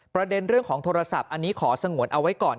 ประเด็นเรื่องของโทรศัพท์อันนี้ขอสงวนเอาไว้ก่อน